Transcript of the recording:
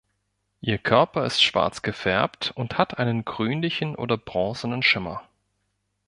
Ihr Körper ist schwarz gefärbt und hat einen grünlichen oder bronzenen Schimmer.